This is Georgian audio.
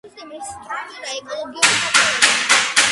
ეკოსისტემის სტრუქტურა ეკოლოგიური ფაქტორები